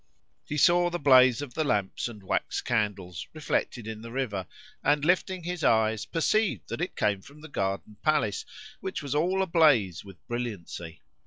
He saw the blaze of the lamps and wax candles reflected in the river and, lifting his eyes, perceived that it came from the Garden Palace which was all ablaze with brilliancy.